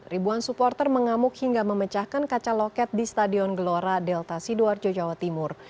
ribuan supporter mengamuk hingga memecahkan kaca loket di stadion gelora delta sidoarjo jawa timur